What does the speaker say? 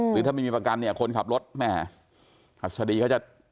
หรือถ้าไม่มีประกันเนี่ยคนขับรถแหมหัสดีเขาจะ